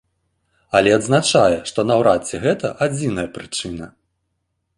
Але адзначае, што наўрад ці гэта адзіная прычына.